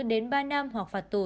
đến ba năm hoặc phạt tù